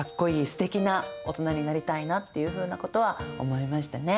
ステキな大人になりたいなっていうふうなことは思いましたね。